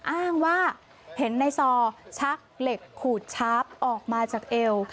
อ้างว่าเห็นในซอชักเหล็กขูดชาร์ฟออกมาจากเอว